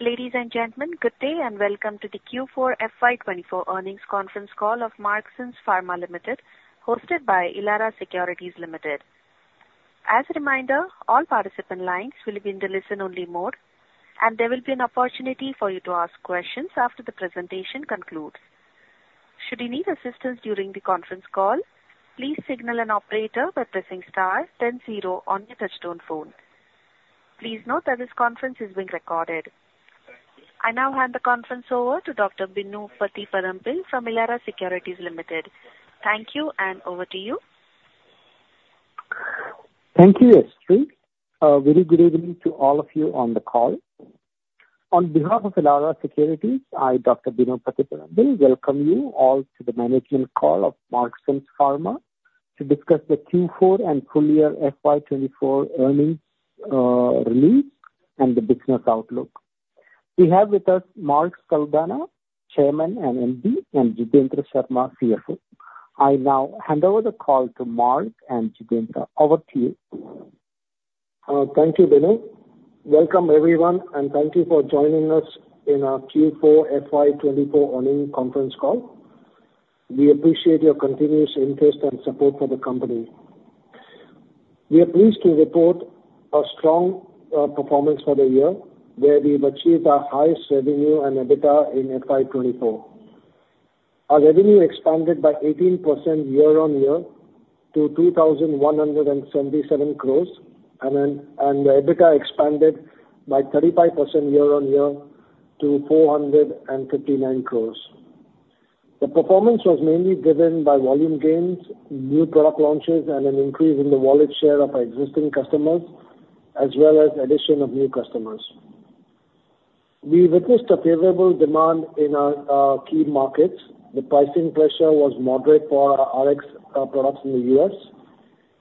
Ladies and gentlemen, good day, and welcome to the Q4 FY24 Earnings Conference Call of Marksans Pharma Limited, hosted by Elara Securities Limited. As a reminder, all participant lines will be in the listen-only mode, and there will be an opportunity for you to ask questions after the presentation concludes. Should you need assistance during the conference call, please signal an operator by pressing star then zero on your touchtone phone. Please note that this conference is being recorded. I now hand the conference over to Dr. Bino Pathiparampil from Elara Securities Limited. Thank you, and over to you. Thank you, Astrid. Very good evening to all of you on the call. On behalf of Elara Securities, I, Dr. Bino Pathiparampil, welcome you all to the management call of Marksans Pharma to discuss the Q4 and full year FY 2024 earnings, release and the business outlook. We have with us Mark Saldanha, Chairman and MD; and Jitendra Sharma, CFO. I now hand over the call to Mark and Jitendra. Over to you. Thank you, Bino. Welcome, everyone, and thank you for joining us in our Q4 FY 2024 earnings conference call. We appreciate your continuous interest and support for the company. We are pleased to report a strong performance for the year, where we've achieved our highest revenue and EBITDA in FY 2024. Our revenue expanded by 18% year-on-year to 2,177 crores, and the EBITDA expanded by 35% year-on-year to 459 crores. The performance was mainly driven by volume gains, new product launches, and an increase in the wallet share of our existing customers, as well as addition of new customers. We witnessed a favorable demand in our key markets. The pricing pressure was moderate for our Rx products in the U.S.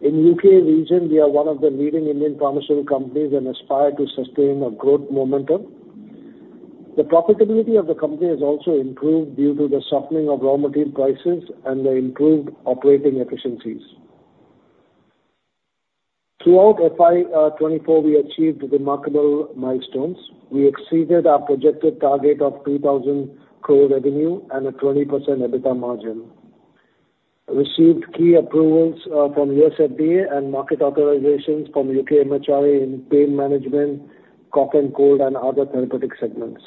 In U.K. region, we are one of the leading Indian pharmaceutical companies and aspire to sustain a growth momentum. The profitability of the company has also improved due to the softening of raw material prices and the improved operating efficiencies. Throughout FY 2024, we achieved remarkable milestones. We exceeded our projected target of 3,000 crore revenue and a 20% EBITDA margin. Received key approvals from U.S. FDA and market authorizations from U.K. MHRA in pain management, cough and cold, and other therapeutic segments.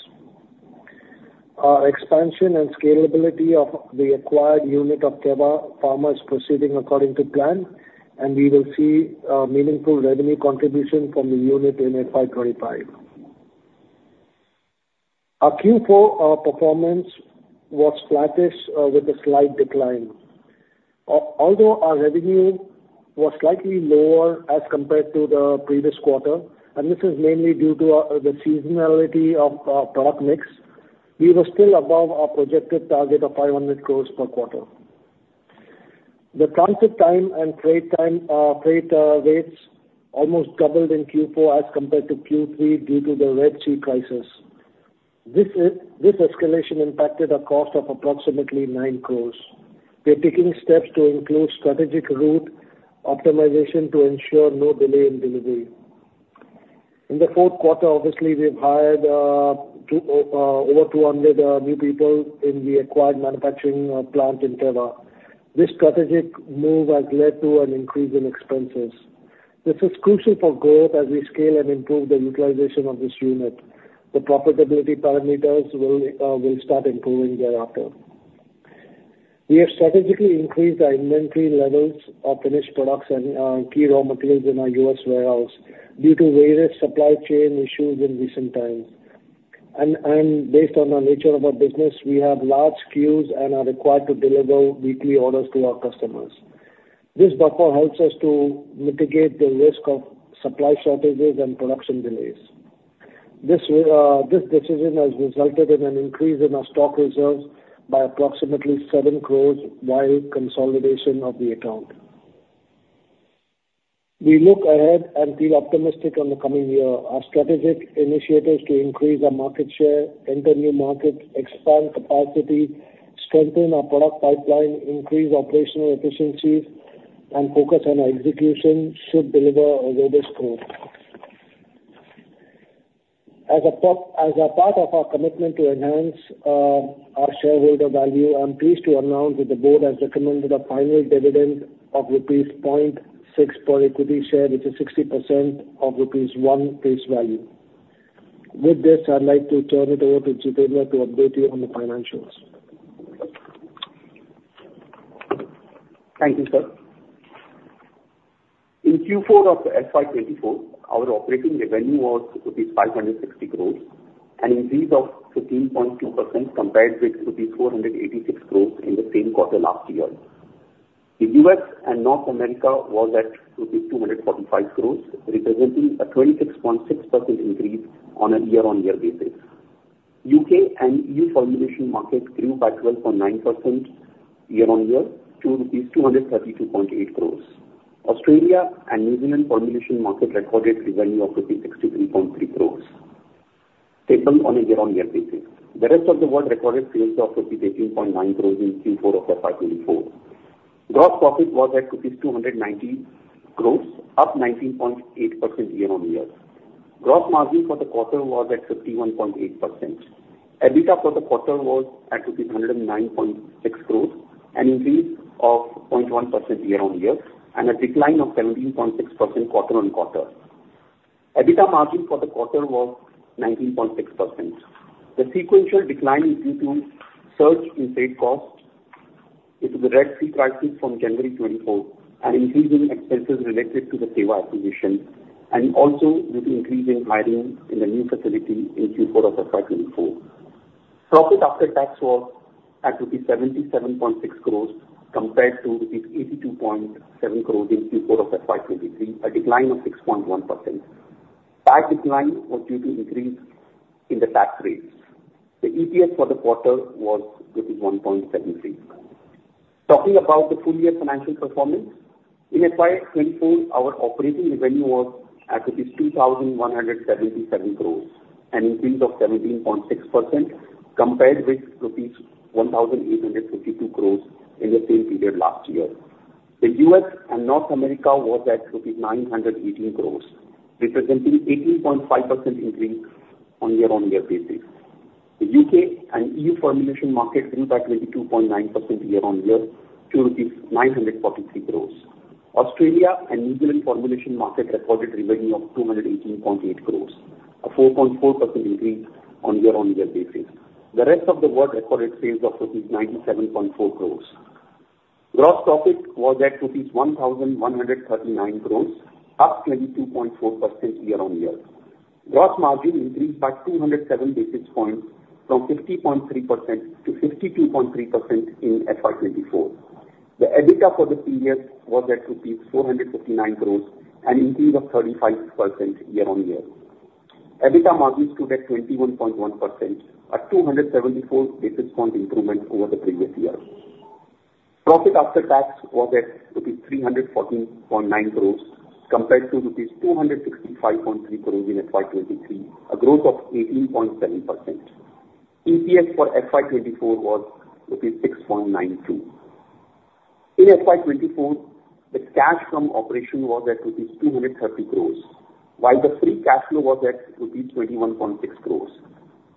Our expansion and scalability of the acquired unit of Teva is proceeding according to plan, and we will see meaningful revenue contribution from the unit in FY 2025. Our Q4 performance was flattish with a slight decline. Although our revenue was slightly lower as compared to the previous quarter, and this is mainly due to the seasonality of our product mix, we were still above our projected target of 500 crore per quarter. The transit time and freight rates almost doubled in Q4 as compared to Q3 due to the Red Sea crisis. This escalation impacted a cost of approximately 9 crore. We are taking steps to include strategic route optimization to ensure no delay in delivery. In the fourth quarter, obviously, we've hired over 200 new people in the acquired manufacturing plant in Teva. This strategic move has led to an increase in expenses. This is crucial for growth as we scale and improve the utilization of this unit. The profitability parameters will start improving thereafter. We have strategically increased our inventory levels of finished products and key raw materials in our U.S. warehouse due to various supply chain issues in recent times. And based on the nature of our business, we have large SKUs and are required to deliver weekly orders to our customers. This buffer helps us to mitigate the risk of supply shortages and production delays. This decision has resulted in an increase in our stock reserves by approximately 7 crore, while consolidation of the account. We look ahead and feel optimistic on the coming year. Our strategic initiatives to increase our market share, enter new markets, expand capacity, strengthen our product pipeline, increase operational efficiencies, and focus on our execution should deliver a robust growth. As part of our commitment to enhance our shareholder value, I'm pleased to announce that the board has recommended a final dividend of rupees 0.6 per equity share, which is 60% of rupees 1 face value. With this, I'd like to turn it over to Jitendra to update you on the financials. Thank you, sir. In Q4 of FY 2024, our operating revenue was INR 560 crore, an increase of 15.2% compared with INR 486 crore in the same quarter last year. The U.S. and North America was at INR 245 crore, representing a 26.6% increase on a year-on-year basis. U.K. and EU formulation market grew by 12.9% year-on-year to rupees 232.8 crore. Australia and New Zealand formulation market recorded revenue of rupees 63.3 crore, based on a year-on-year basis. The rest of the world recorded sales of rupees 18.9 crore in Q4 of FY 2024. Gross profit was at rupees 290 crore, up 19.8% year-on-year. Gross margin for the quarter was at 51.8%. EBITDA for the quarter was at 109.6 crores, an increase of 0.1% year-on-year, and a decline of 17.6% quarter-on-quarter. EBITDA margin for the quarter was 19.6%. The sequential decline is due to surge in freight costs due to the Red Sea crisis from January 2024, and increasing expenses related to the Teva acquisition, and also with increase in hiring in the new facility in Q4 of FY 2024. Profit after tax was at rupees 77.6 crores compared to rupees 82.7 crores in Q4 of FY 2023, a decline of 6.1%. Tax decline was due to increase in the tax rates. The EPS for the quarter was 1.76. Talking about the full year financial performance, in FY 2024, our operating revenue was at 2,177 crores, an increase of 17.6% compared with rupees 1,852 crores in the same period last year. The U.S. and North America was at rupees 918 crores, representing 18.5% increase on year-on-year basis. The U.K. and EU formulation market grew by 22.9% year-on-year to 943 crores. Australia and New Zealand formulation market recorded revenue of 218.8 crores, a 4.4% increase on year-on-year basis. The rest of the world recorded sales of rupees 97.4 crores. Gross profit was at rupees 1,139 crores, up 22.4% year-on-year. Gross margin increased by 207 basis points from 50.3% to 52.3% in FY 2024. The EBITDA for the period was at INR 459 crore, an increase of 35% year-on-year. EBITDA margins stood at 21.1%, a 274 basis point improvement over the previous year. Profit after tax was at rupees 314.9 crore, compared to rupees 265.3 crore in FY 2023, a growth of 18.7%. EPS for FY 2024 was rupees 6.92. In FY 2024, the cash from operation was at rupees 230 crore, while the free cash flow was at rupees 21.6 crore.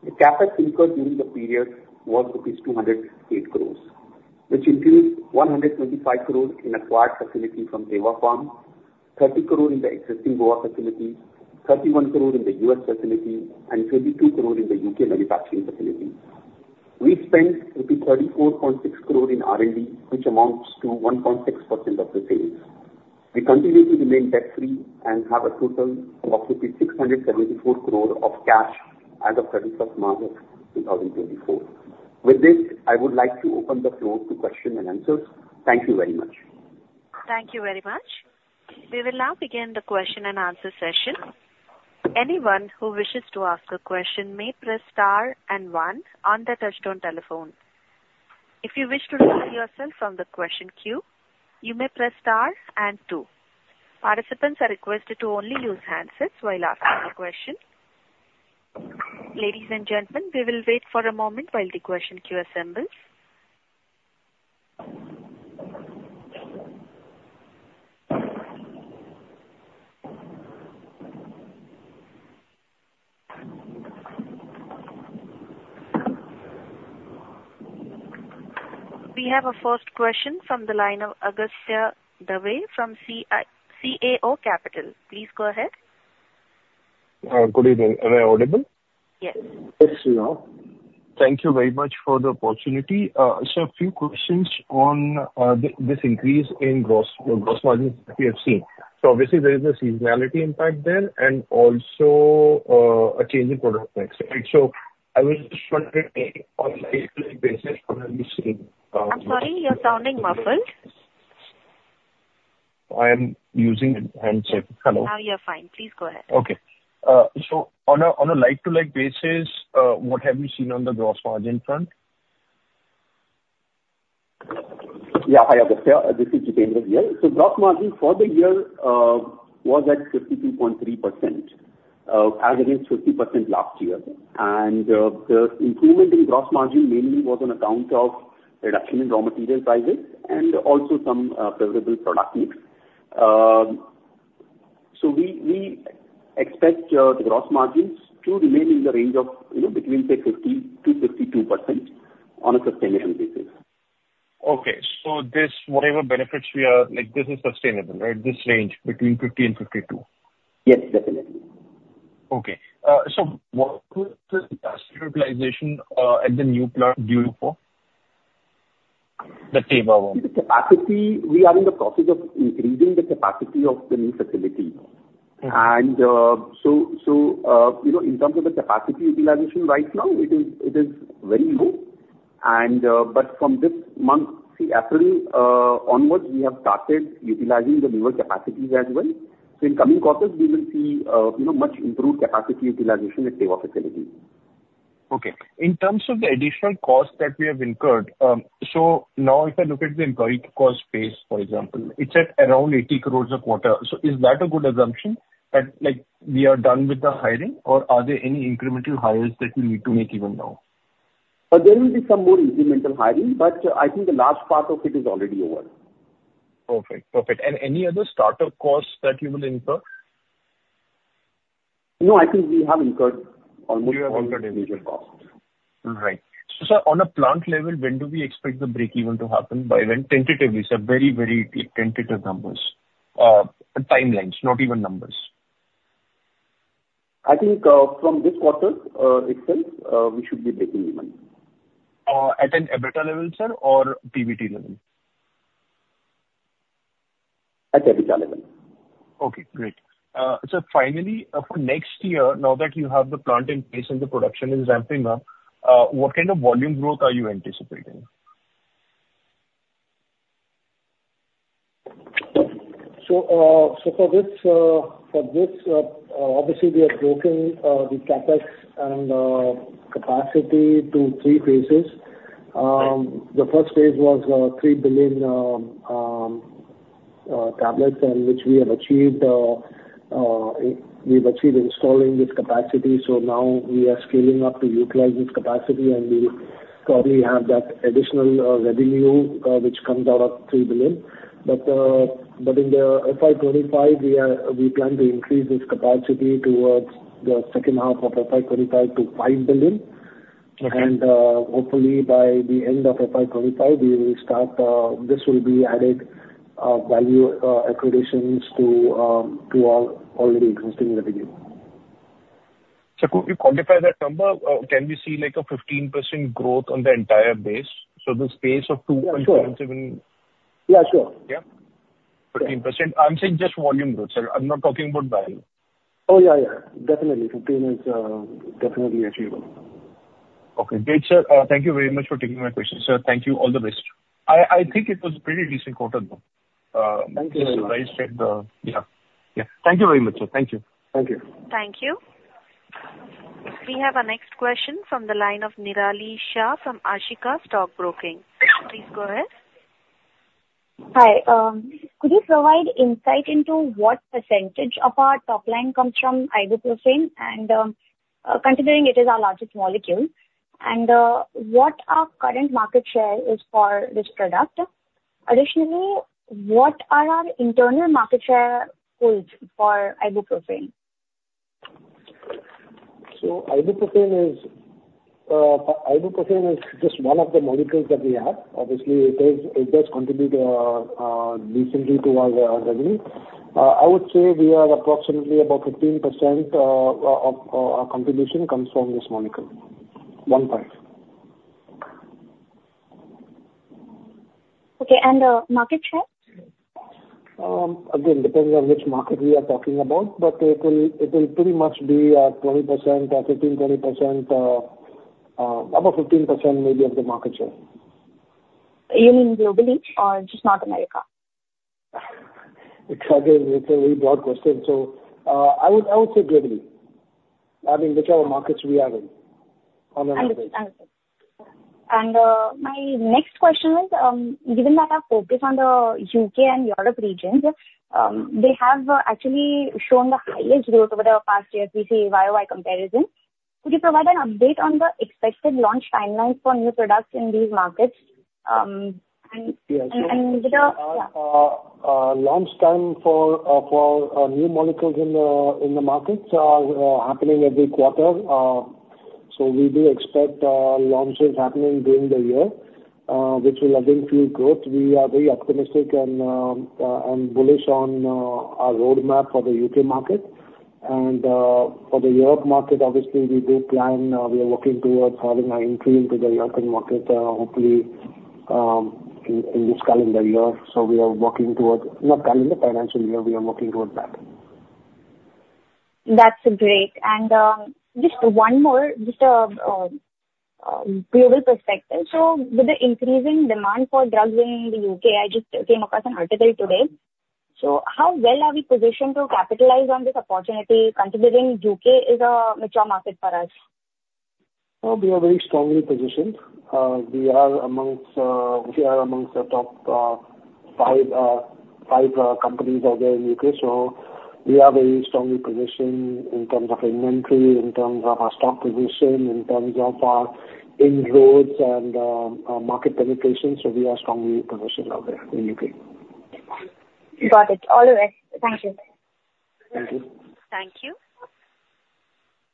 The CapEx incurred during the period was rupees 208 crore, which includes 125 crore in acquired facility from Teva, 30 crore in the existing Goa facility, 31 crore in the US facility, and 22 crore in the UK manufacturing facility. We spent INR 34.6 crore in R&D, which amounts to 1.6% of the sales. We continue to remain debt-free and have a total of approximately 674 crore of cash as of 31 March 2024. With this, I would like to open the floor to question and answers. Thank you very much. Thank you very much. We will now begin the question and answer session. Anyone who wishes to ask a question may press star and one on their touch-tone telephone. If you wish to remove yourself from the question queue, you may press star and two. Participants are requested to only use handsets while asking a question. Ladies and gentlemen, we will wait for a moment while the question queue assembles. We have our first question from the line of Agastya Dave from CAO Capital. Please go ahead. Good evening. Am I audible? Yes. Yes, you are. Thank you very much for the opportunity. So a few questions on this increase in gross margins we have seen. So obviously, there is a seasonality impact there and also a change in product mix, right? So I was just wondering, on a like-to-like basis, what are we seeing? I'm sorry, you're sounding muffled. I am using a handset. Hello? Now you're fine. Please go ahead. Okay. So on a like-to-like basis, what have you seen on the gross margin front? Yeah. Hi, Agastya, this is Jitendra here. So gross margin for the year was at 52.3%, as against 50% last year. And, the improvement in gross margin mainly was on account of reduction in raw material prices and also some favorable product mix. So we, we expect the gross margins to remain in the range of, you know, between, say, 50%-52% on a sustainable basis. Okay. So this, whatever benefits we are, like, this is sustainable, right? This range between 50 and 52. Yes, definitely. Okay. So what was the capacity utilization at the new plant during the quarter? The Teva one. The capacity, we are in the process of increasing the capacity of the new facility. And, so, so, you know, in terms of the capacity utilization right now, it is, it is very low. And, but from this month, say, April, onwards, we have started utilizing the newer capacities as well. So in coming quarters, we will see, you know, much improved capacity utilization at Teva facility. Okay. In terms of the additional costs that we have incurred, so now if I look at the employee cost base, for example, it's at around 80 crore a quarter. So is that a good assumption, that, like, we are done with the hiring, or are there any incremental hires that we need to make even now? But there will be some more incremental hiring, but I think the last part of it is already over. Perfect. Perfect, and any other startup costs that you will incur? No, I think we have incurred almost all the individual costs. Right. So, sir, on a plant level, when do we expect the breakeven to happen, by when? Tentatively, sir, very, very tentative numbers, timelines, not even numbers. I think, from this quarter, itself, we should be breaking even. At an EBITDA level, sir or PBT level? At EBITDA level. Okay, great. So finally, for next year, now that you have the plant in place and the production is ramping up, what kind of volume growth are you anticipating? So, for this, obviously, we have broken the CapEx and capacity to three phases. The first phase was 3 billion tablets, and which we have achieved, we've achieved installing this capacity, so now we are scaling up to utilize this capacity, and we probably have that additional revenue which comes out of 3 billion. But in the FY 2025, we plan to increase this capacity towards the second half of FY 2025 to 5 billion. Okay. And, hopefully by the end of FY 25, we will start. This will be added value acquisitions to our already existing revenue. Could you quantify that number? Can we see like a 15% growth on the entire base? Yeah, sure. Yeah. 15%? I'm saying just volume growth, sir. I'm not talking about value. Oh, yeah, yeah. Definitely, 15 is definitely achievable. Okay, great, sir. Thank you very much for taking my question, sir. Thank you. All the best. I think it was a pretty decent quarter, though. Thank you very much. Yeah. Yeah. Thank you very much, sir. Thank you. Thank you. Thank you. We have our next question from the line of Nirali Shah from Ashika Stock Broking. Please go ahead. Hi, could you provide insight into what percentage of our top line comes from ibuprofen and, considering it is our largest molecule, and, what our current market share is for this product? Additionally, what are our internal market share goals for ibuprofen? So Ibuprofen is, Ibuprofen is just one of the molecules that we have. Obviously, it is, it does contribute, decently to our revenue. I would say we are approximately about 15% of our contribution comes from this molecule, 15. Okay, and market share? Again, it depends on which market we are talking about, but it will, it will pretty much be 20%, 15% to 20%, about 15% maybe of the market share. You mean globally or just North America? It's again, it's a very broad question, so, I would say globally, I mean, whichever markets we are in, on the Understood. My next question is, given that our focus on the U.K. and Europe regions, they have actually shown the highest growth over the past year, we see year-over-year comparison. Could you provide an update on the expected launch timelines for new products in these markets. Yeah. And with the, yeah. Launch time for new molecules in the markets are happening every quarter. So we do expect launches happening during the year, which will again fuel growth. We are very optimistic and bullish on our roadmap for the UK market. And for the Europe market, obviously we do plan, we are working towards having an entry into the European market, hopefully in this calendar year. So we are working towards... Not calendar, financial year, we are working towards that. That's great. And just one more, just global perspective. So with the increasing demand for drugs in the U.K., I just came across an article today. So how well are we positioned to capitalize on this opportunity, considering U.K. is a mature market for us? We are very strongly positioned. We are amongst the top five companies out there in U.K. So we are very strongly positioned in terms of inventory, in terms of our stock position, in terms of our inroads and market penetration, so we are strongly positioned out there in U.K. Got it. All right. Thank you. Thank you. Thank you.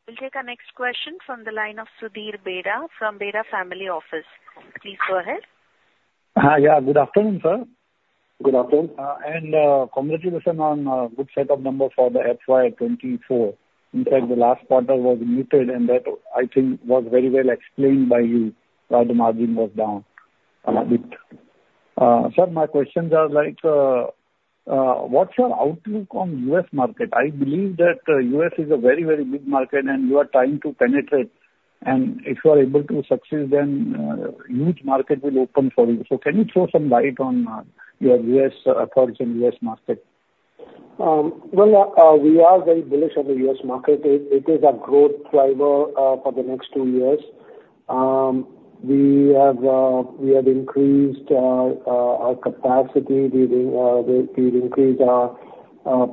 We'll take our next question from the line of Sudhir Bheda from Bheda Family Office. Please go ahead. Yeah, good afternoon, sir. Good afternoon. Congratulations on good set of numbers for the FY24. In fact, the last quarter was muted, and that, I think, was very well explained by you, why the margin was down a bit. Sir, my questions are like, what's your outlook on U.S. market? I believe that, U.S. is a very, very big market and you are trying to penetrate, and if you are able to succeed, then, huge market will open for you. So can you throw some light on your U.S. approach in U.S. market? Well, we are very bullish on the U.S. market. It is a growth driver for the next two years. We have increased our capacity. We've increased our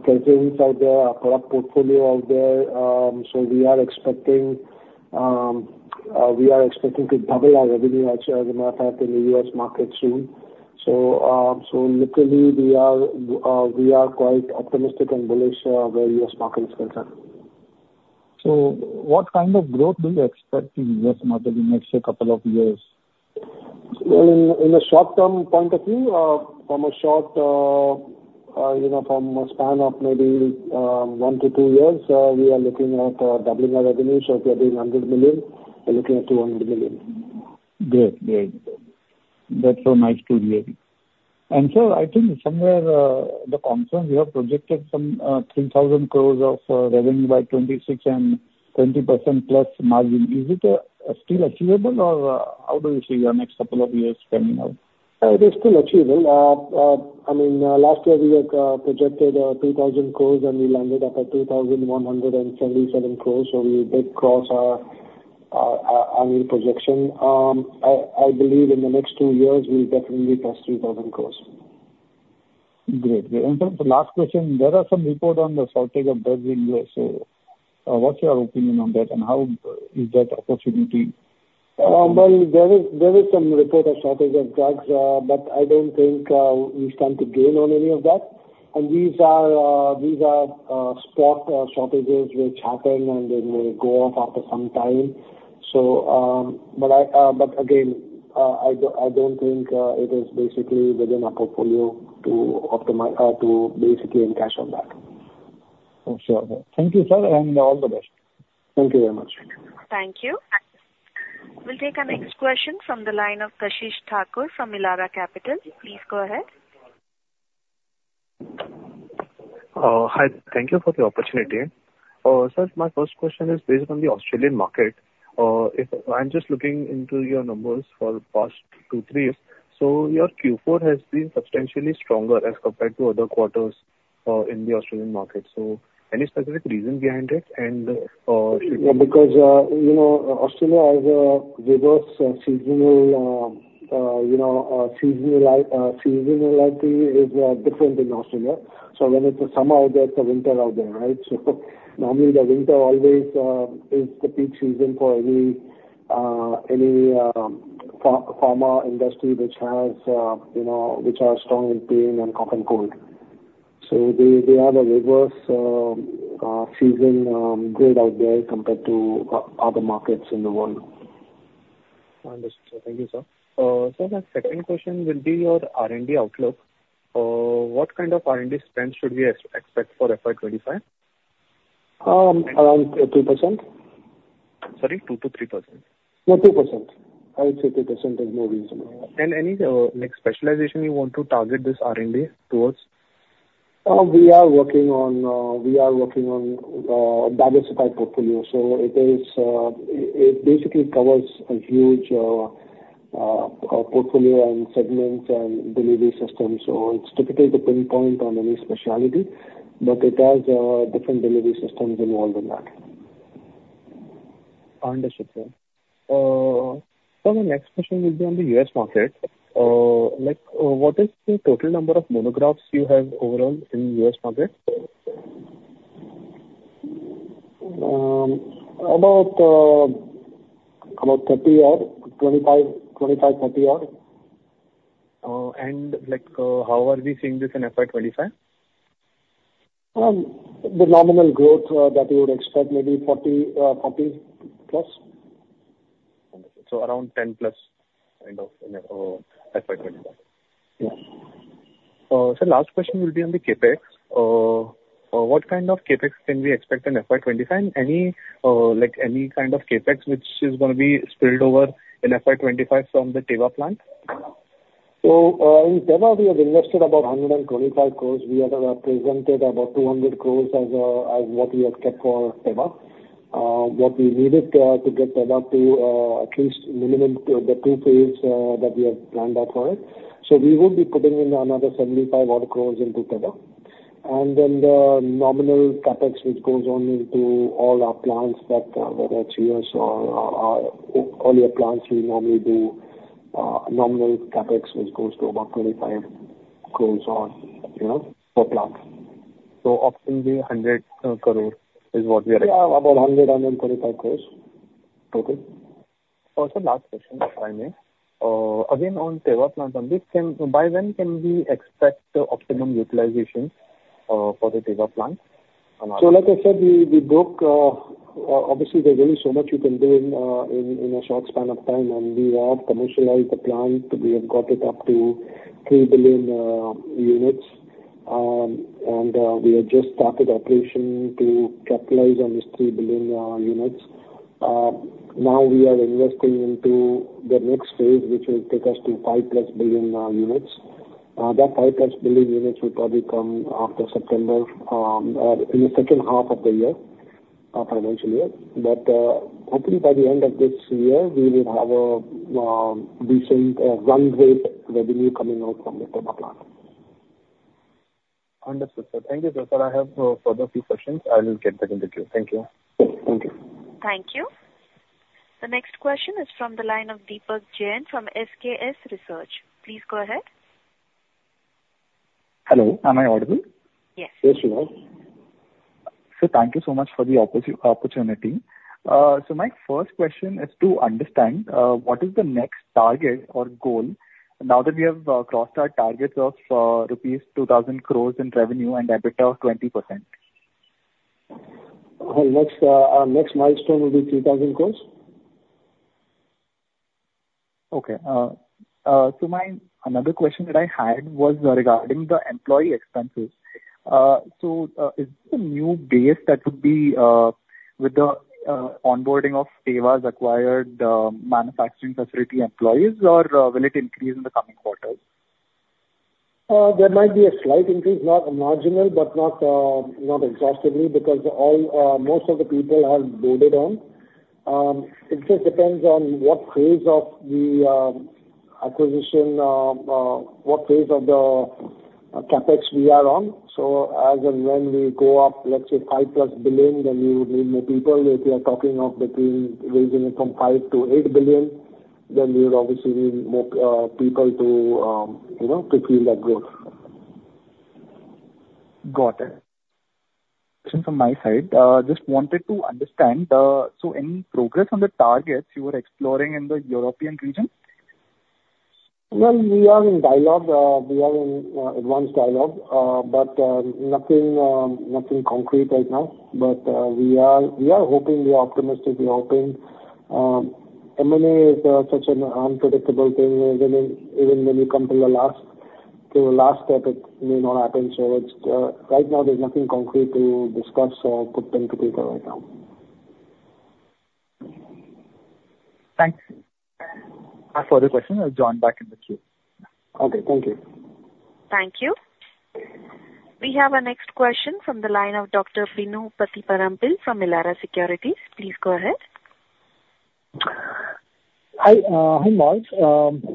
presence out there, our product portfolio out there. So we are expecting to double our revenue actually, as a matter of fact, in the U.S. market soon. So literally we are quite optimistic and bullish where the U.S. market is concerned. What kind of growth do you expect in U.S. market in next, say, couple of years? Well, in the short-term point of view, you know, from a span of maybe one to two years, we are looking at doubling our revenue. So if we are doing $100 million, we're looking at $200 million. Great. Great. That's a nice two-year. And so I think somewhere, the conference you have projected some 3,000 crore of revenue by 2026 and 20%+ margin. Is it still achievable or how do you see your next couple of years stemming out? It is still achievable. I mean, last year we had projected 2,000 crore, and we landed up at 2,177 crore, so we did cross our annual projection. I believe in the next two years we'll definitely cross INR 3,000 crore. Great. Great. And then the last question: There are some report on the shortage of drugs in U.S., so, what's your opinion on that, and how is that opportunity? Well, there is some report of shortage of drugs, but I don't think we stand to gain on any of that. These are spot shortages which happen, and they may go off after some time. But again, I don't think it is basically within our portfolio to optimize, to basically cash on that. Okay. Thank you, sir, and all the best. Thank you very much. Thank you. We'll take our next question from the line of Kashish Thakur from Elara Capital. Please go ahead. Hi. Thank you for the opportunity. Sir, my first question is based on the Australian market. If I'm just looking into your numbers for the past two, three years, so your Q4 has been substantially stronger as compared to other quarters in the Australian market, so any specific reason behind it? And, should- Yeah, because, you know, Australia has a reverse seasonal, you know, seasonality, seasonality is different in Australia. So when it's a summer out there, it's a winter out there, right? So normally, the winter always is the peak season for any pharma industry which has, you know, which are strong in pain and cough and cold. So they have a reverse season grid out there compared to other markets in the world. Understood. Thank you, sir. Sir, my second question will be your R&D outlook. What kind of R&D spend should we expect for FY 25? Around 2%. Sorry, 2%-3%? No, 2%. I would say 2% is more reasonable. And any next specialization you want to target this R&D towards? We are working on diversified portfolio. So it basically covers a huge portfolio and segments and delivery system. So it's difficult to pinpoint on any specialty, but it has different delivery systems involved in that. Understood, sir. Sir, my next question will be on the U.S. market. Like, what is the total number of monographs you have overall in U.S. market? About 30 odd, 25, 30 odd. Like, how are we seeing this in FY 25? The nominal growth that we would expect maybe 40 plus. So around 10 plus kind of, FY 2025? Yeah. Sir, last question will be on the CapEx. What kind of CapEx can we expect in FY 25? And any, like, any kind of CapEx which is gonna be spilled over in FY 25 from the Teva plant? In Teva we have invested about 125 crores. We have presented about 200 crores as what we expect for Teva. What we needed to get Teva to at least minimum the two phase that we have planned out for it. So we would be putting in another 75 odd crores into Teva. And then the nominal CapEx which goes on into all our plants that whether it's U.S. or our earlier plants, we normally do nominal CapEx, which goes to about 25 crores or, you know, per plant. So roughly 100 crore is what we are... Yeah, about INR 125 crore total. Sir, last question, if I may. Again, on Teva plant, this can, by when can we expect the optimum utilization, for the Teva plant? So, like I said, we broke, obviously there's only so much you can do in a short span of time, and we have commercialized the plant. We have got it up to 3 billion units. And, we have just started operation to capitalize on this 3 billion units. Now we are investing into the next phase, which will take us to 5+ billion units. That 5+ billion units will probably come after September, or in the second half of the year, financial year. But, hopefully by the end of this year, we will have a decent run rate revenue coming out from the Teva plant. Understood, sir. Thank you, sir. Sir, I have further few questions. I will get back in the queue. Thank you. Thank you. Thank you. The next question is from the line of Deepak Jain from SKS Research. Please go ahead. Hello, am I audible? Yes. Yes, you are. So thank you so much for the opportunity. So my first question is to understand what is the next target or goal now that we have crossed our targets of rupees 2,000 crore in revenue and EBITDA of 20%? Our next milestone will be 3,000 crore. Okay. So my another question that I had was regarding the employee expenses. So, is the new base that would be with the onboarding of Teva's acquired manufacturing facility employees, or will it increase in the coming quarters? There might be a slight increase, not marginal, but not exhaustively, because almost all of the people have onboarded. It just depends on what phase of the acquisition, what phase of the CapEx we are on. So as and when we go up, let's say 5+ billion, then we would need more people. If we are talking of between raising it from 5 billion to 8 billion, then we would obviously need more people to, you know, to fuel that growth. Got it. From my side, just wanted to understand, so any progress on the targets you were exploring in the European region? Well, we are in dialogue. We are in advanced dialogue, but nothing concrete right now. But we are hoping, we are optimistically hoping. M&A is such an unpredictable thing, even when you come to the last step, it may not happen. So it's right now, there's nothing concrete to discuss or put pen to paper right now. Thanks. I have no further question. I'll join back in the queue. Okay, thank you. Thank you. We have our next question from the line of Dr. Bino Pathiparampil from Elara Securities. Please go ahead. Hi, Mark.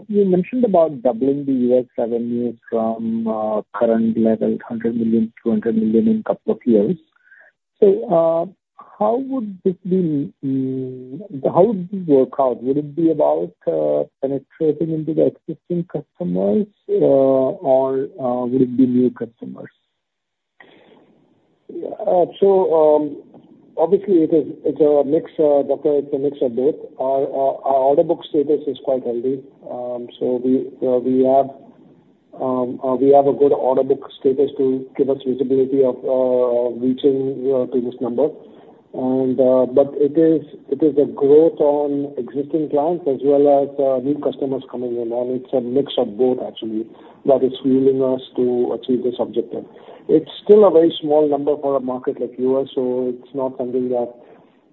You mentioned about doubling the U.S. revenue from current level, $100 million, $200 million in couple of years. So, how would this be, how would this work out? Would it be about penetrating into the existing customers, or would it be new customers? Yeah. So, obviously, it is, it's a mix, doctor, it's a mix of both. Our order book status is quite healthy. So we have a good order book status to give us visibility of reaching to this number. But it is a growth on existing clients as well as new customers coming in, and it's a mix of both actually, that is willing us to achieve this objective. It's still a very small number for a market like U.S., so it's not something that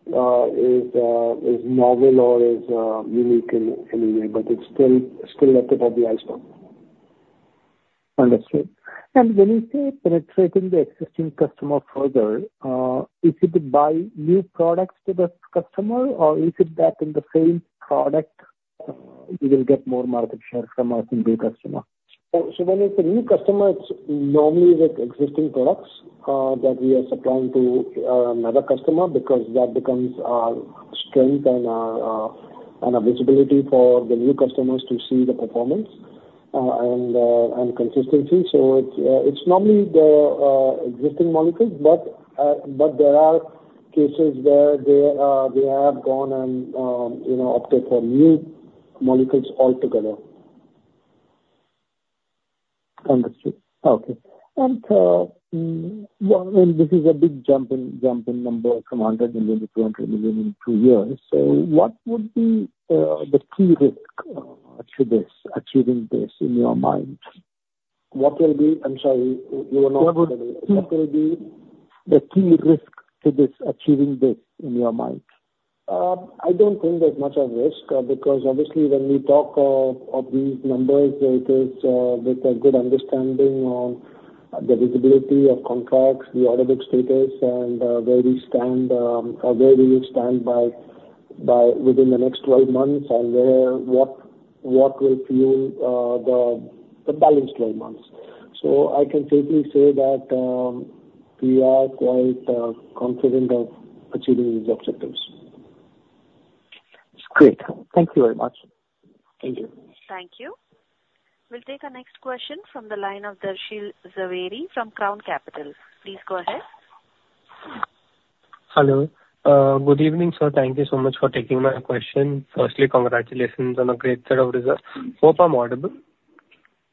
is novel or is unique in any way, but it's still at the top of the iceberg. Understood. When you say penetrating the existing customer further, is it by new products to the customer, or is it that in the same product, you will get more market share from our existing customer? So when it's a new customer, it's normally with existing products that we are supplying to another customer, because that becomes our strength and a visibility for the new customers to see the performance and consistency. So it's normally the existing molecules, but there are cases where we have gone and you know, opted for new molecules altogether. Understood. Okay. And, well, and this is a big jump in number from 100 million to 200 million in two years. So what would be the key risk to achieving this in your mind? What will be... I'm sorry, you were not- What would be the key risk to this, achieving this, in your mind? I don't think there's much of risk, because obviously when we talk of these numbers, it is with a good understanding on the visibility of contracts, the order book status, and where we stand, or where we will stand by within the next 12 months, and where what will fuel the balance 12 months. So I can safely say that we are quite confident of achieving these objectives. It's great. Thank you very much. Thank you. Thank you. We'll take our next question from the line of Darshil Jhaveri from Crown Capital. Please go ahead. Hello. Good evening, sir. Thank you so much for taking my question. Firstly, congratulations on a great set of results. Hope I'm audible?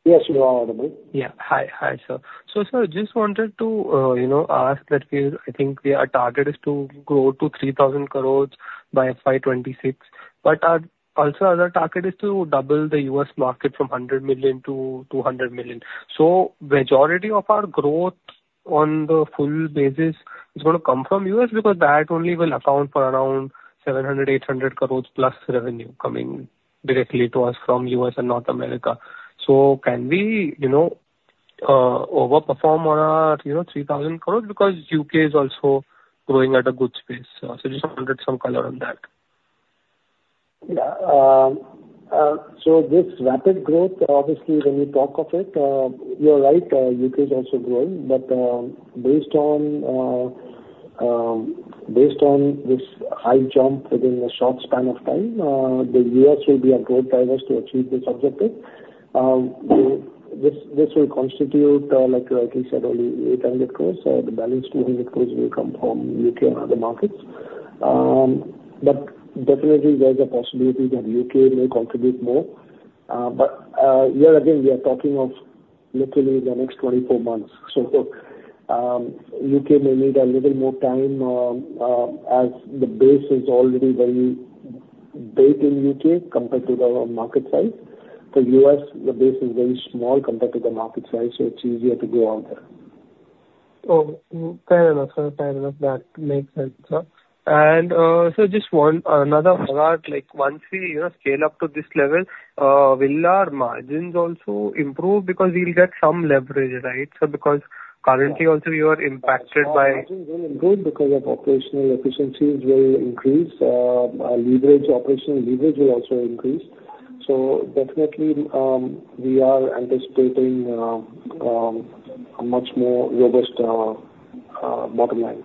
Yes, you are audible. Yeah. Hi sir. So sir, just wanted to, you know, ask that we, I think we are targeted to grow to 3,000 crores by FY 2026, but our also our target is to double the US market from $100 million to $200 million. So majority of our growth on the full basis is gonna come from US, because that only will account for around 700-800 crores plus revenue coming directly to us from US and North America. So can we, you know, overperform on our, you know, 3,000 crores? Because UK is also growing at a good pace. So just wanted some color on that. Yeah, so this rapid growth, obviously, when you talk of it, you're right, U.K. is also growing. But based on this high jump within a short span of time, the U.S. will be our growth drivers to achieve this objective. This will constitute, like you rightly said, only 800 crores, so the balance 200 crores will come from U.K. and other markets. But definitely there's a possibility that U.K. may contribute more. But here again, we are talking of literally the next 24 months. So U.K. may need a little more time, as the base is already very big in U.K. compared to the market size. For U.S., the base is very small compared to the market size, so it's easier to go out there. Oh, fair enough, sir. Fair enough. That makes sense, sir. And so just one another follow-up. Like, once we, you know, scale up to this level, will our margins also improve? Because we'll get some leverage, right? So because currently also you are impacted by... Margins will improve because of operational efficiencies will increase. Our leverage, operational leverage will also increase. So definitely, we are anticipating a much more robust bottom line.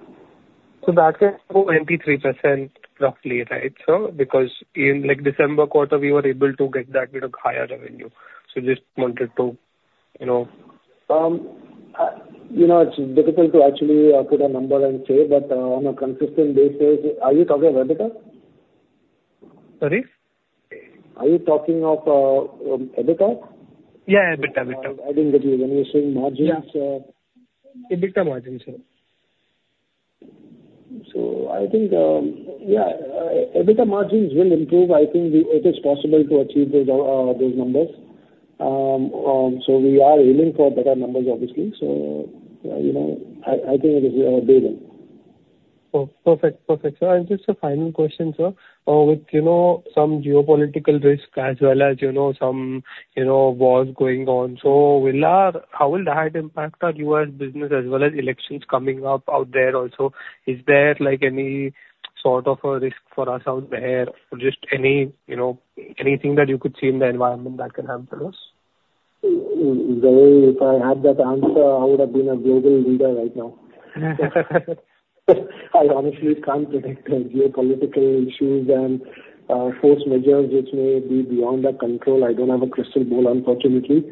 So that can go 23% roughly, right, sir? Because in, like, December quarter, we were able to get that bit of higher revenue. So just wanted to, you know- You know, it's difficult to actually put a number and say, but on a consistent basis, are you talking of EBITDA? Sorry? Are you talking of EBITDA? Yeah, EBITDA,. I didn't get you. When you're saying margins, EBITDA margins, sir. So I think EBITDA margins will improve. I think it is possible to achieve those numbers. We are aiming for better numbers, obviously. You know, I think it is doable. Oh, perfect. Perfect, sir. And just a final question, sir. With, you know, some geopolitical risk as well as, you know, some, you know, wars going on, so will our... How will that impact our U.S. business as well as elections coming up out there also? Is there, like, any sort of a risk for us out there, or just any, you know, anything that you could see in the environment that can happen to us? Gary, if I had that answer, I would have been a global leader right now. I honestly can't predict the geopolitical issues and, force measures which may be beyond our control. I don't have a crystal ball, unfortunately.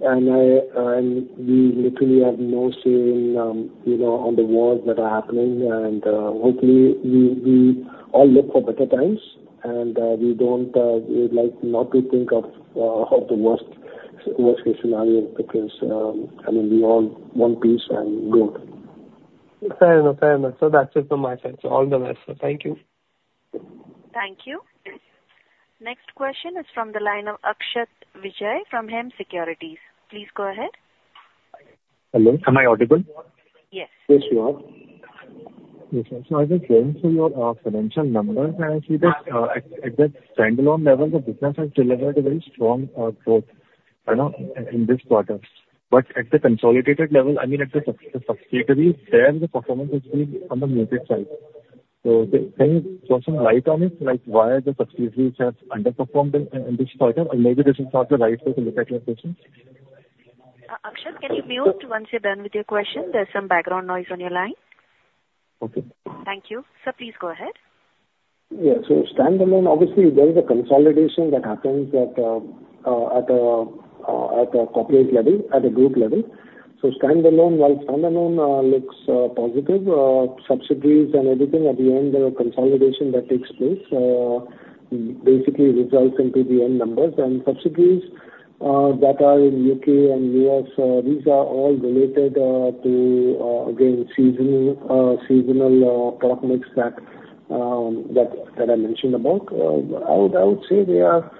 And I, and we literally have no say in, you know, on the wars that are happening. And, hopefully, we, we all look for better times, and, we don't, we would like not to think of, of the worst, worst case scenario, because, I mean, we all want peace and growth. Fair enough. Fair enough, sir. That's it from my side, so all the best, sir. Thank you. Thank you. Next question is from the line of Akshat Vijay from Hem Securities. Please go ahead. Hello, am I audible? Yes. Yes, you are. Yes, sir. So I just went through your financial numbers, and I see that at the standalone level, the business has delivered a very strong growth, you know, in this quarter. But at the consolidated level, I mean, at the subsidiaries, there the performance has been on the negative side. So can you throw some light on it, like why the subsidiaries have underperformed in this quarter? And maybe this is not the right way to look at your business. Akshat, can you mute once you're done with your question? There's some background noise on your line. Okay. Thank you. Sir, please go ahead. Yeah. So standalone, obviously there is a consolidation that happens at a corporate level, at a group level. So standalone, while standalone looks positive, subsidiaries and everything, at the end, there are consolidation that takes place, basically results into the end numbers. And subsidiaries that are in U.K. and U.S., these are all related to again, seasonal product mix that I mentioned about. I would say they are,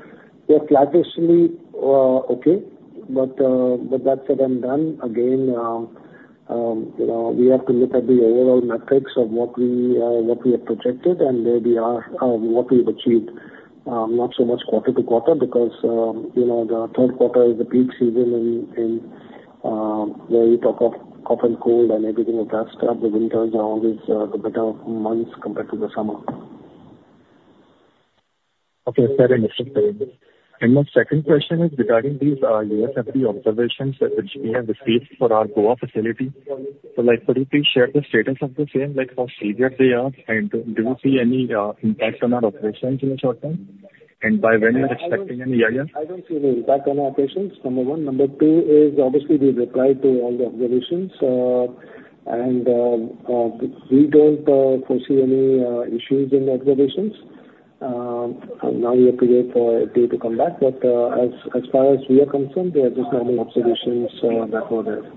they're flat-ish to me, okay, but that said and done, again, you know, we have to look at the overall metrics of what we have projected and where we are, what we've achieved. Not so much quarter-over-quarter, because, you know, the third quarter is the peak season in winter where you talk of cough and cold and everything of that stuff. The winters are always the better months compared to the summer. Okay, fair enough, sir. Fair enough. And my second question is regarding these U.S. FDA observations which we have received for our Goa facility. So, like, could you please share the status of the same, like how serious they are, and do you see any impact on our operations in the short term? And by when we're expecting any idea?. I don't see the impact on our operations, number one. Number two is obviously we've replied to all the observations. We don't foresee any issues in the observations. Now we have to wait for FDA to come back. But as far as we are concerned, they are just normal observations that were there.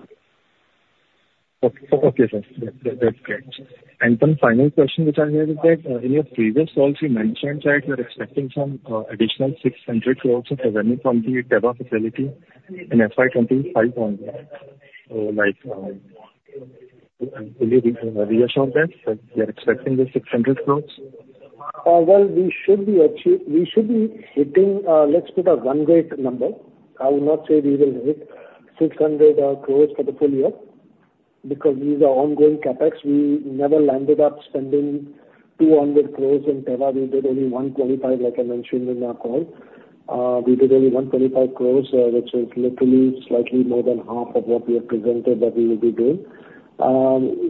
Okay. Okay, sir. That, that's great. And one final question which I have is that, in your previous calls, you mentioned that you're expecting some, additional 600 crore of revenue from the Teva facility in FY 2025. So, like, will you reassure that, that we are expecting the 600 crore? Well, we should be hitting. Let's put a one great number. I would not say we will hit 600 crores for the full year because these are ongoing CapEx. We never landed up spending 200 crores in Teva. We did only 125, like I mentioned in our call. We did only 125 crores, which is literally slightly more than half of what we have presented that we will be doing.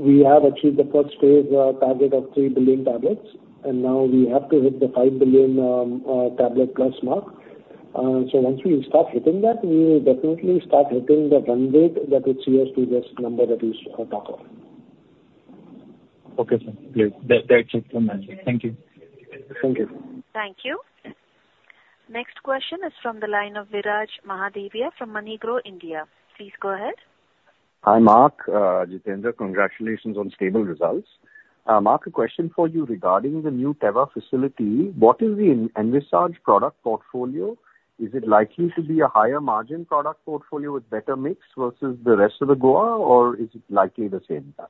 We have achieved the first phase target of 3 billion tablets, and now we have to hit the 5 billion tablet plus mark. So once we start hitting that, we will definitely start hitting the run rate, that 800 crores previous number that we talk of. Okay, sir. Great. That's it from me. Thank you. Thank you. Thank you. Next question is from the line of Viraj Mahadevia from MoneyGrow India. Please go ahead. Hi, Mark, Jitendra. Congratulations on stable results. Mark, a question for you regarding the new Teva facility. What is the envisaged product portfolio? Is it likely to be a higher margin product portfolio with better mix versus the rest of the Goa, or is it likely the same time?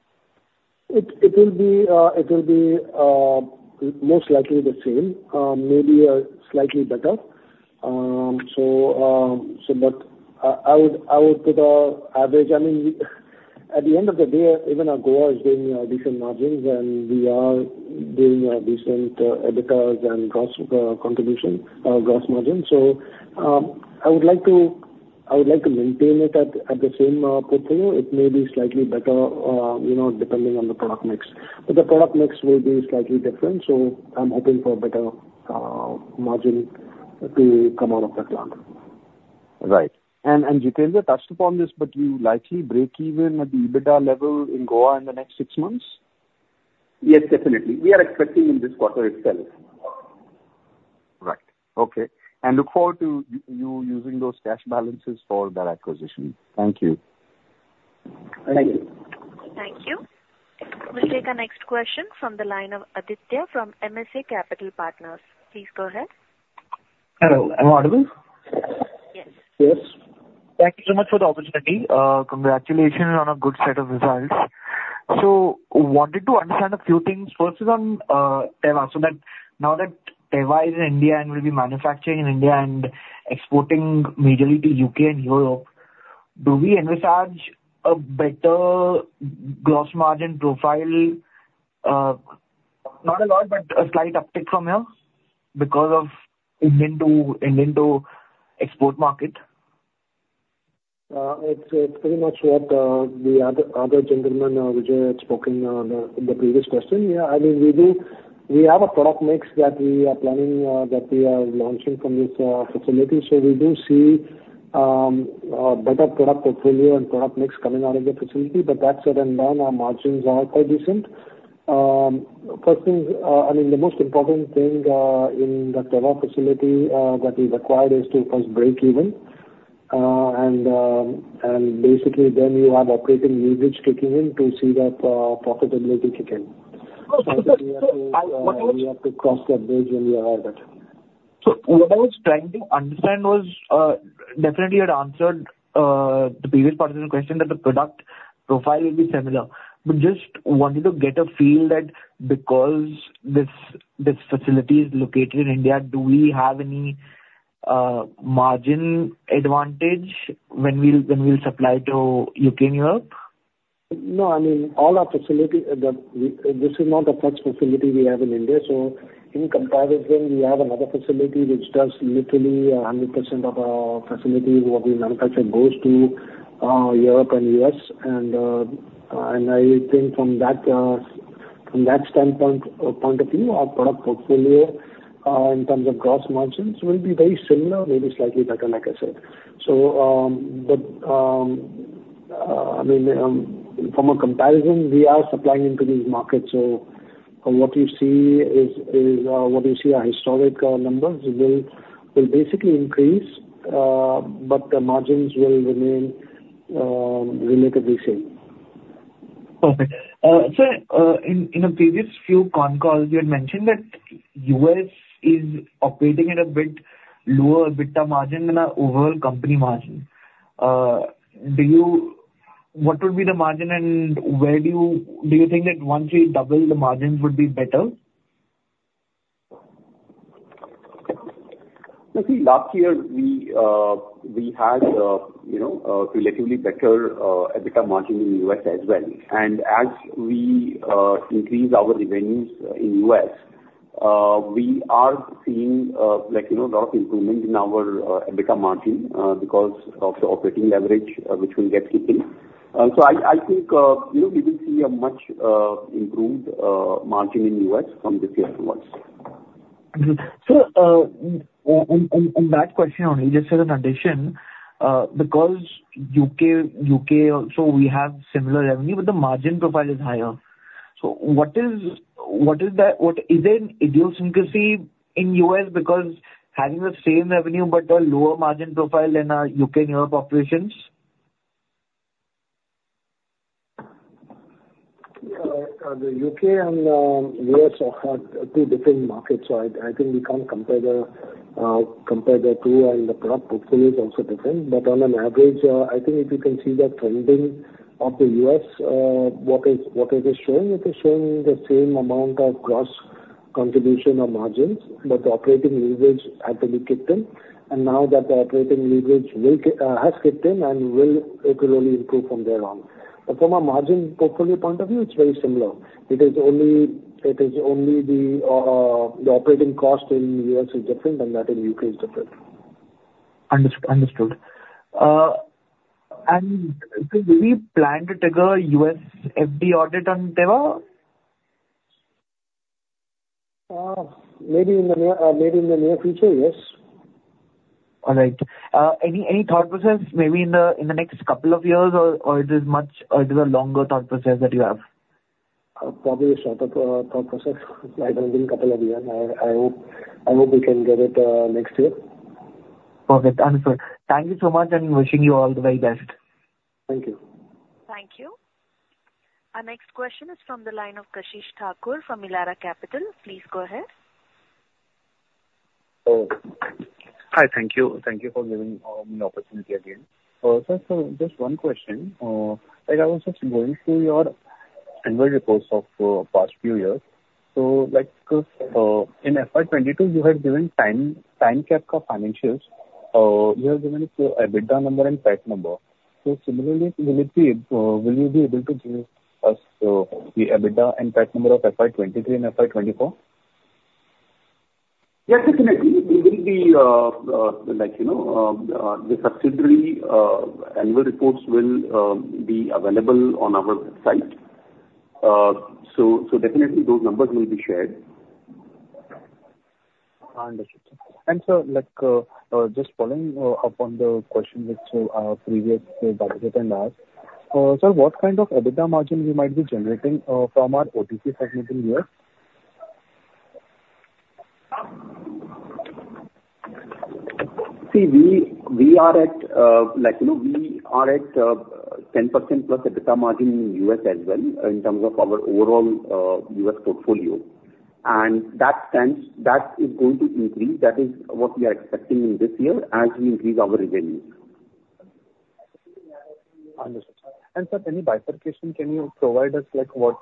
It will be most likely the same, maybe slightly better. But I would put a average, I mean, we, at the end of the day, even our Goa is giving decent margins, and we are giving decent EBITDA and gross contribution, gross margin. So I would like to maintain it at the same portfolio. It may be slightly better, you know, depending on the product mix. But the product mix will be slightly different, so I'm hoping for a better margin to come out of the plant. Right. And Jitendra touched upon this, but you likely break even at the EBITDA level in Goa in the next six months? Yes, definitely. We are expecting in this quarter itself. Right. Okay, and look forward to you using those cash balances for that acquisition. Thank you. Thank you. Thank you. We'll take our next question from the line of Aditya from MSA Capital Partners. Please go ahead. Hello, am I audible? Yes. Yes. Thank you so much for the opportunity. Congratulations on a good set of results. Wanted to understand a few things. First is on Teva, so that now that Teva is in India and will be manufacturing in India and exporting majorly to U.K. and Europe, do we envisage a better gross margin profile? Not a lot, but a slight uptick from here because of into, into export market. It's pretty much what the other gentleman Vijay had spoken on in the previous question. Yeah, I mean, we do. We have a product mix that we are planning that we are launching from this facility. So we do see better product portfolio and product mix coming out of the facility, but that said and done, our margins are quite decent. First thing, I mean, the most important thing in the Teva facility that we've acquired is to first break even. And basically then you have operating leverage kicking in to see that profitability kick in. So, I- We have to cross that bridge when we arrive at. So what I was trying to understand was, definitely you had answered the previous part of the question, that the product profile will be similar. But just wanted to get a feel that because this, this facility is located in India, do we have any margin advantage when we, when we supply to UK and Europe? No, I mean, all our facility, this is not the first facility we have in India, so in comparison, we have another facility which does literally 100% of our facility, what we manufacture, goes to, Europe and U.S. And, and I think from that, from that standpoint, point of view, our product portfolio, in terms of gross margins, will be very similar, maybe slightly better, like I said. So, but, I mean, from a comparison, we are supplying into these markets, so from what you see is, what you see our historic numbers will basically increase, but the margins will remain, relatively same. Perfect. So, in a previous few con calls, you had mentioned that U.S. is operating at a bit lower EBITDA margin than our overall company margin. Do you, what would be the margin, and where do you think that once we double, the margins would be better? You see, last year we, we had, you know, a relatively better, EBITDA margin in U.S. as well. As we increase our revenues in U.S., we are seeing, like, you know, lot of improvement in our, EBITDA margin, because of the operating leverage, which will get kicking. So I, I think, you know, we will see a much, improved, margin in U.S. from this year onwards. So, on that question only, just as an addition, because U.K. also we have similar revenue, but the margin profile is higher. So what is the, is there an idiosyncrasy in U.S. because having the same revenue but a lower margin profile in our U.K. and Europe operations? Yeah, the U.K. and U.S. are two different markets, so I think we can't compare the two, and the product portfolio is also different. But on an average, I think if you can see the trending of the U.S., what it is showing? It is showing the same amount of gross contribution of margins, but the operating leverage had to be kicked in. And now that the operating leverage has kicked in and will equally improve from there on. But from a margin portfolio point of view, it's very similar. It is only the operating cost in U.S. is different and that in U.K. is different. Understood, understood. And so do we plan to trigger U.S. FDA audit anytime? Maybe in the near future, yes. All right. Any, any thought process maybe in the, in the next couple of years or, or it is much, or it is a longer thought process that you have? Probably a shorter thought process rather than couple of years. I hope we can get it next year. Perfect. Understand. Thank you so much, and wishing you all the very best. Thank you. Thank you. Our next question is from the line of Kashish Thakur from Elara Capital. Please go ahead. Oh. Hi, thank you. Thank you for giving me the opportunity again. So just one question. Like I was just going through your annual reports of past few years. So like, in FY 22, you had given time cap of financials. You have given it the EBITDA number and PAT number. So similarly, will you be able to give us the EBITDA and PAT number of FY 23 and FY 24? Yes, definitely. We will be, like, you know, the subsidiary annual reports will be available on our website. So, definitely those numbers will be shared. Understood, sir. Sir, like, just following up on the question which previous participant asked. Sir, what kind of EBITDA margin we might be generating from our OTC segment in U.S.? See, we, we are at, like, you know, we are at, 10%+ EBITDA margin in U.S. as well, in terms of our overall, U.S. portfolio. And that stands, that is going to increase. That is what we are expecting in this year as we increase our revenues. Understood, sir. And sir, any bifurcation can you provide us, like what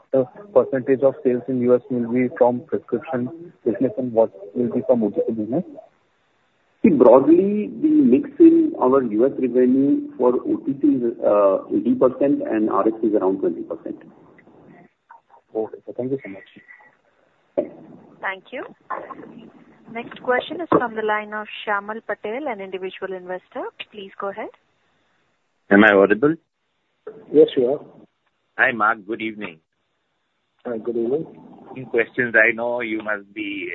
percentage of sales in U.S. will be from prescription business and what will be from OTC business? See, broadly, the mix in our U.S. revenue for OTC is 80% and RX is around 20%. Okay, sir. Thank you so much. Thank you. Next question is from the line of Shyamal Patel, an individual investor. Please go ahead. Am I audible? Yes, you are. Hi, Mark. Good evening. Good evening. few questions. I know you must be,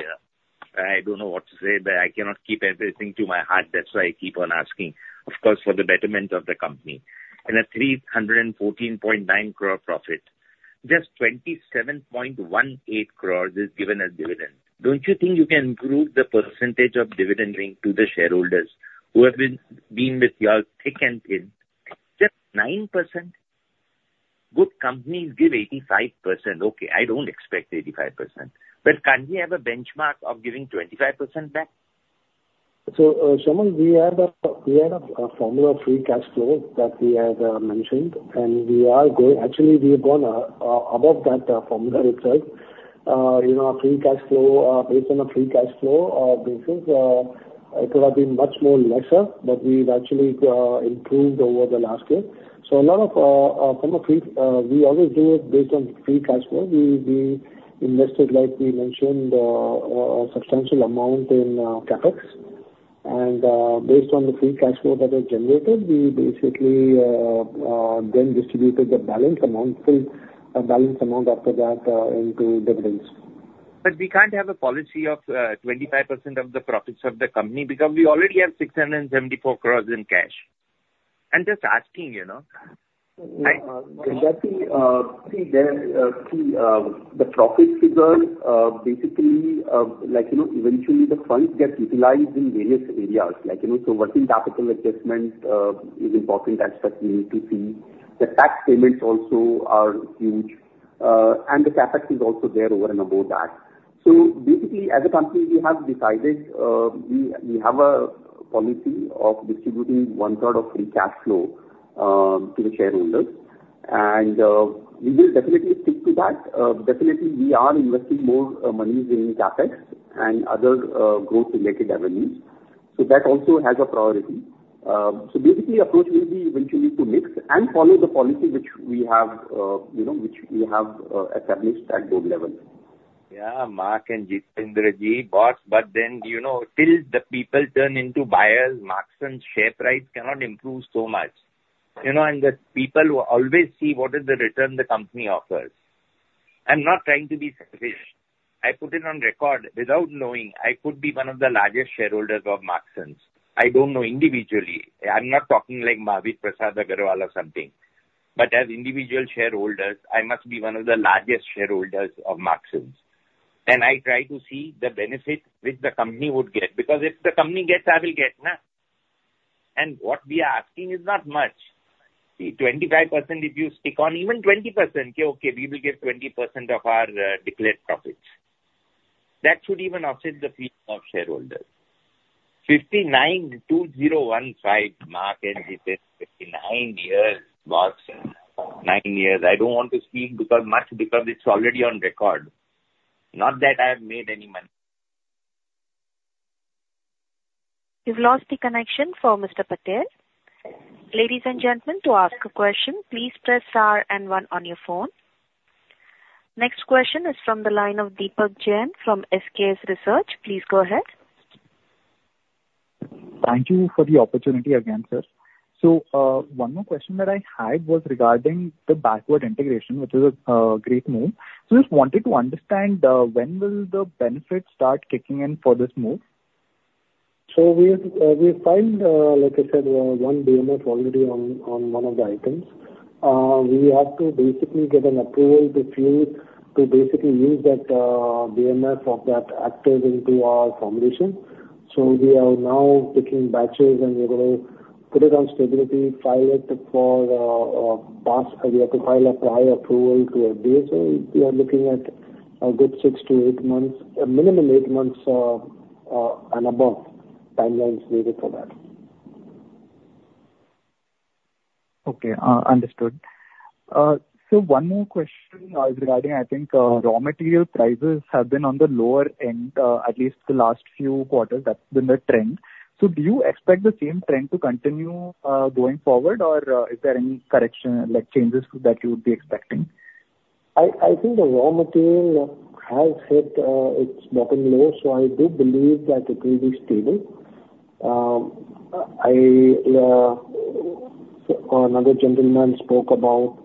I don't know what to say, but I cannot keep everything to my heart. That's why I keep on asking, of course, for the betterment of the company. In an 314.9 crore profit, just 27.18 crores is given as dividend. Don't you think you can improve the percentage of dividend paying to the shareholders who have been, been with you all thick and thin? Just 9%? Good companies give 85%. Okay, I don't expect 85%, but can't we have a benchmark of giving 25% back? So, Shyamal, we have a, we had a, a formula free cash flow that we had mentioned, and we are going. Actually, we have gone above that formula itself. You know, our free cash flow, based on a free cash flow basis, it could have been much more lesser, but we've actually improved over the last year. So a lot of from a free, we always do it based on free cash flow. We, we invested, like we mentioned, a substantial amount in CapEx. And, based on the free cash flow that was generated, we basically then distributed the balance amount, the balance amount after that into dividends. But we can't have a policy of 25% of the profits of the company, because we already have 674 crore in cash. I'm just asking, you know? That we see there, the profit figures, basically, like, you know, eventually the funds get utilized in various areas. Like, you know, so working capital adjustment is important, that's what we need to see. The tax payments also are huge, and the CapEx is also there over and above that. So basically, as a company, we have decided, we have a policy of distributing one third of free cash flow to the shareholders. And, we will definitely stick to that. Definitely, we are investing more monies in CapEx and other growth-related avenues. So that also has a priority. So basically approach will be eventually to mix and follow the policy which we have, you know, which we have established at board level. Yeah, Mark and Jitendra-ji boss, but then, you know, till the people turn into buyers, Marksans share price cannot improve so much. You know, and the people will always see what is the return the company offers. I'm not trying to be selfish. I put it on record, without knowing, I could be one of the largest shareholders of Marksans. I don't know individually. I'm not talking like Mahabir Prasad Agarwal or something. But as individual shareholders, I must be one of the largest shareholders of Marksans. And I try to see the benefit which the company would get, because if the company gets, I will get? And what we are asking is not much. See, 25%, if you stick on even 20%, okay, we will get 20% of our declared profits. That should even offset the fee of shareholders. 59, 2015, market is at 59 years, 9 years. I don't want to speak because much, because it's already on record. Not that I have made any money. You've lost the connection for Mr. Patel. Ladies and gentlemen, to ask a question, please press star and one on your phone. Next question is from the line of Deepak Jain from SKS Research. Please go ahead. Thank you for the opportunity again, sir. So, one more question that I had was regarding the backward integration, which is a great move. So just wanted to understand, when will the benefits start kicking in for this move? So we have, we filed, like I said, 1 DMF already on, on 1 of the items. We have to basically get an approval to fill, to basically use that, DMF of that active into our formulation. So we are now taking batches, and we're going to put it on stability, file it for past, we have to file a prior approval to our FDA. We are looking at a good 6six to eight months, a minimum eight months, and above timelines needed for that. Okay, understood. So one more question, regarding, I think, raw material prices have been on the lower end, at least the last few quarters. That's been the trend. So do you expect the same trend to continue, going forward? Or, is there any correction, like, changes that you would be expecting? I think the raw material has hit its bottom low, so I do believe that it will be stable. Another gentleman spoke about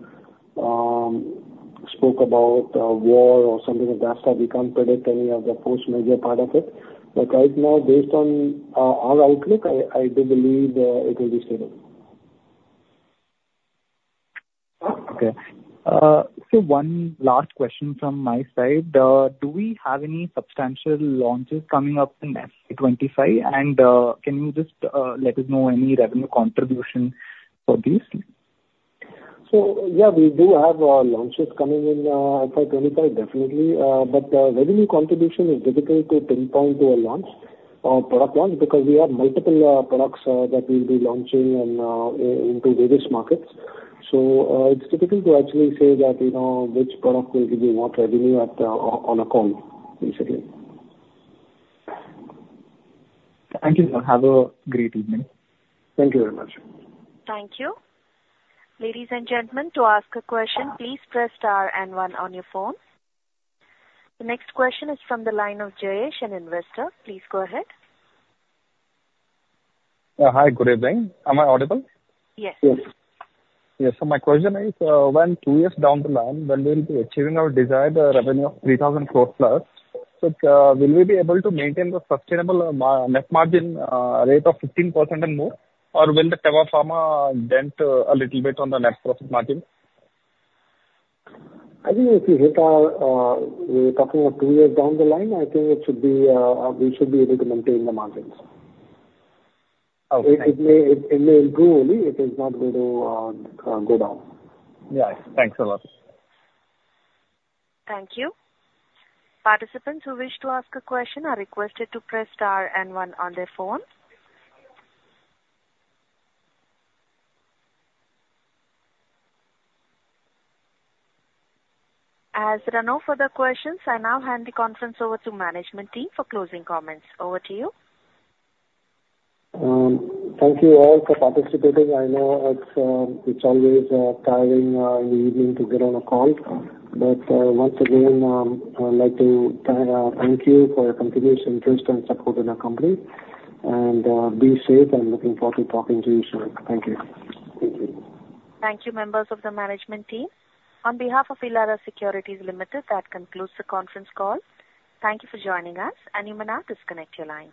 war or something like that. We can't predict any of the force majeure part of it, but right now, based on our outlook, I do believe it will be stable. Okay. So one last question from my side. Do we have any substantial launches coming up in FY 25? And, can you just let us know any revenue contribution for these? So yeah, we do have launches coming in FY 25, definitely. But revenue contribution is difficult to pinpoint to a launch or product launch, because we have multiple products that we'll be launching and into various markets. So it's difficult to actually say that, you know, which product will give you what revenue at the on a call, basically. Thank you, sir. Have a great evening. Thank you very much. Thank you. Ladies and gentlemen, to ask a question, please press star and one on your phone. The next question is from the line of Jayesh, an investor. Please go ahead. Hi, good evening. Am I audible? Yes. Yes. Yes. So my question is, when two years down the line, when we'll be achieving our desired revenue of 3,000 crore plus, so, will we be able to maintain the sustainable net margin rate of 15% or more? Or will the Teva Pharma dent a little bit on the net profit margin? I think if you hit our, we're talking about two years down the line. I think it should be, we should be able to maintain the margins. Okay. It may improve only. It is not going to go down. Yeah. Thanks a lot. Thank you. Participants who wish to ask a question are requested to press star and one on their phone. As there are no further questions, I now hand the conference over to management team for closing comments. Over to you. Thank you all for participating. I know it's always tiring in the evening to get on a call. But once again, I'd like to thank you for your continuous interest and support in our company. And be safe, I'm looking forward to talking to you soon. Thank you. Thank you. Thank you, members of the management team. On behalf of Elara Securities Limited, that concludes the conference call. Thank you for joining us, and you may now disconnect your lines.